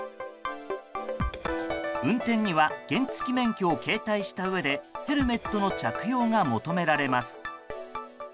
運転には原付き免許を携帯したうえでヘルメットの着用が求められます。